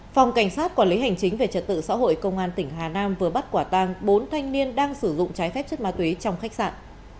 phòng cảnh sát quản lý hành chính về trật tự xã hội công an tỉnh hà nam vừa bắt quả tang bốn thanh niên đang sử dụng trái phép chất ma túy trong khách sạn